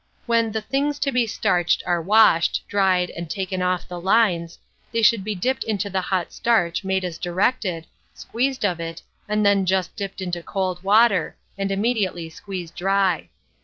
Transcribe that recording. When the "things to be starched" are washed, dried, and taken off the lines, they should be dipped into the hot starch made as directed, squeezed out of it, and then just dipped into cold water, and immediately squeezed dry.